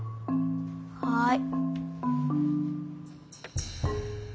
はい。